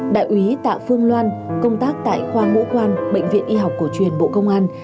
đại úy tạ phương loan công tác tại khoa mũ quan bệnh viện y học cổ truyền bộ công an